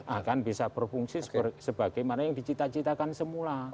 akan bisa berfungsi sebagaimana yang dicita citakan semula